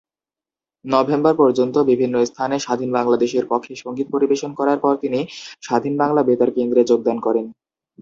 November পর্যন্ত বিভিন্ন স্থানে স্বাধীন বাংলাদেশের পক্ষে সঙ্গীত পরিবেশন করার পর তিনি স্বাধীন বাংলা বেতার কেন্দ্রে যোগদান করেন।